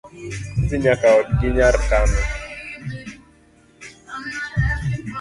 Idhi nyaka odgi nyar kano